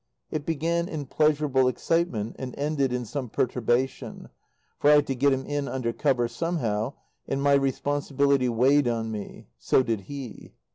It began in pleasurable excitement and ended in some perturbation, for I had to get him in under cover somehow, and my responsibility weighed on me so did he.